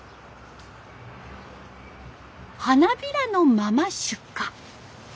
花びらのまま出荷。